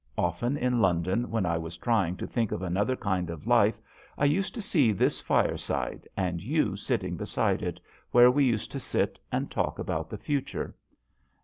Often in Lon don, when I was trying to think of another kind of life, I used to see this fireside and you sitting beside it, where we used to sit and talk about the future.